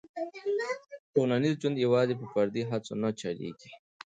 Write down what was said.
ټولنیز ژوند یوازې په فردي هڅو نه چلېږي.